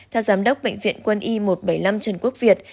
theo giám đốc bệnh viện quân y một trăm bảy mươi năm trần quốc việt